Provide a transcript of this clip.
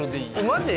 マジ？